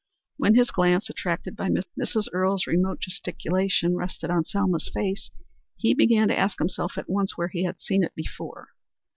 When his glance, attracted by Mrs. Earle's remote gesticulation, rested on Selma's face, he began to ask himself at once where he had seen it before.